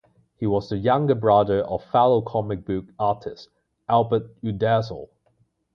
He was the younger brother of fellow comic book artist Albert Uderzo.